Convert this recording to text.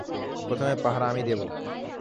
প্রথমে পাহারা আমি দেবো।